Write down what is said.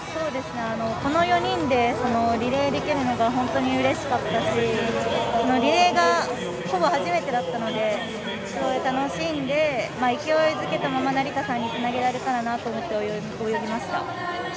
この４人でリレーできるのが本当にうれしかったしリレーが、ほぼ初めてだったのですごい楽しんで勢いづけたまま成田さんにつなげられたらなと思って、泳ぎました。